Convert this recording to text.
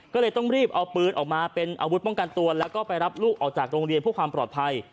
ก็เลยต้องรีบเอาปืนออกมาเป็นอาวุธป้องกันตัวแล้วก็ไปรับลูกออกจากโรงเรียนเพื่อความปลอดภัย